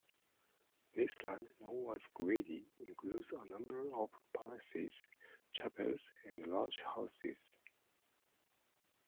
This land, known as Gwiedi, includes a number of palaces, chapels and large houses.